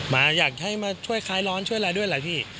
มาอยากให้มาช่วยคลายร้อนช่วยอะไรด้วยแหละพี่